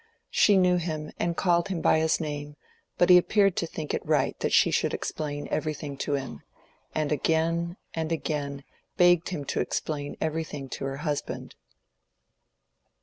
She knew him, and called him by his name, but appeared to think it right that she should explain everything to him; and again, and again, begged him to explain everything to her husband.